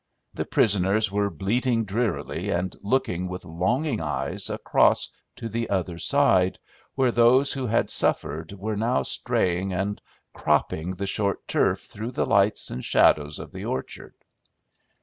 The prisoners were bleating drearily and looking with longing eyes across to the other side, where those who had suffered were now straying and cropping the short turf through the lights and shadows of the orchard.